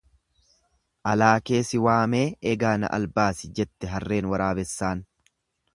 Alaakee si waamee egaa na albaasi jette harreen waraabessaan.